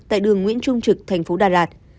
tại đường nguyễn trung trực thành phố đà lạt